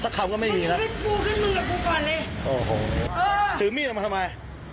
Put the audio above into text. สักคำก็ไม่มีแล้วมึงกับกูกันเลยโอ้โหเออถือมีดลงมาทำไม